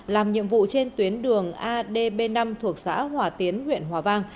làm nhiệm vụ trên tuyến đường adb năm thuộc xã hòa tiến huyện hòa vang